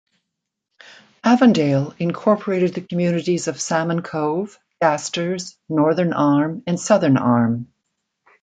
Avondale incorporated the communities of Salmon Cove, Gasters, Northern Arm, and Southern Arm.